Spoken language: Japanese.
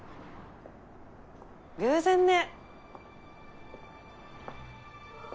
・偶然ね。